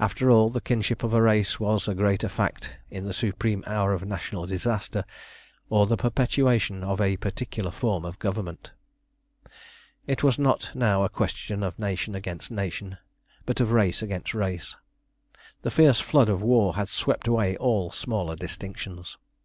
After all, the kinship of a race was a greater fact in the supreme hour of national disaster than the maintenance of a dynasty or the perpetuation of a particular form of government. It was not now a question of nation against nation, but of race against race. The fierce flood of war had swept away all smaller distinctions.